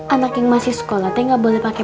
anak yang masih sekolah tuh gak boleh pake